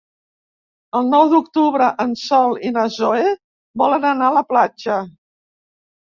El nou d'octubre en Sol i na Zoè volen anar a la platja.